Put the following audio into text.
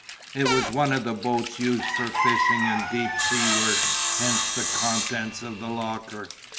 It was one of the boats used for fishing and deep sea work, hence the contents of the locker.